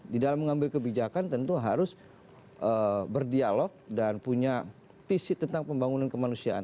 di dalam mengambil kebijakan tentu harus berdialog dan punya visi tentang pembangunan kemanusiaan